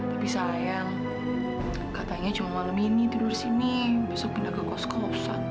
tapi sayang katanya cuma malam ini tidur sini besok pindah ke kos kosan